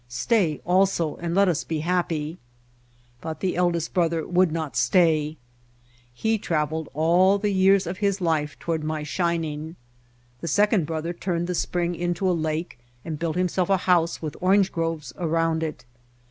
Stay also and let us be happy.' "But the eldest brother would not stay. "He traveled all the years of his life toward my shining. The second brother turned the spring into a lake and built himself a house with orange groves around it.